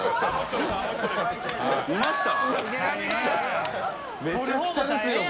見ました？